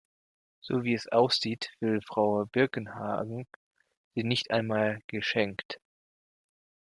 So, wie es aussieht, will Frau Birkenhagen sie nicht einmal geschenkt.